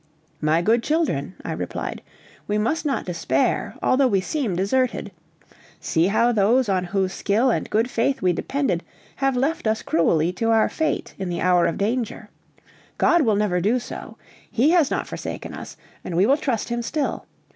"My good children," I replied, "we must not despair, although we seem deserted. See how those on whose skill and good faith we depended have left us cruelly to our fate in the hour of danger. God will never do so. He has not forsaken us, and we will trust him still.